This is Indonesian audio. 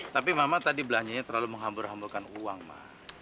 tapi mama tadi belanjanya terlalu menghambur hamburkan uang mah